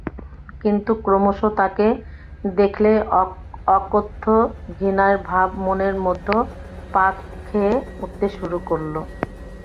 কিন্তু ক্রমশ তাকে দেখলেই অকথ্য ঘৃণার ভাব মনের মধ্যে পাক খেয়ে উঠতে শুরু করল।